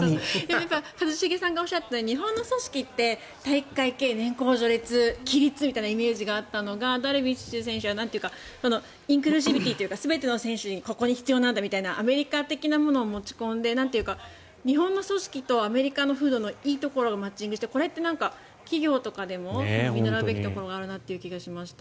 一茂さんがおっしゃったように日本の組織って体育会系、年功序列規律みたいなイメージがあったのがダルビッシュ選手はインクルーシビティーというか全ての選手がここに必要なんだというアメリカ的なものを持ち込んで日本の組織とアメリカの風土のいいところがマッチングしてこれって企業とかでも見習うべきところがあるなという気がしました。